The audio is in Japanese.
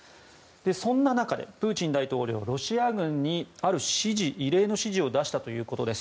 そんな中でプーチン大統領はロシア軍にある異例の指示を出したということです。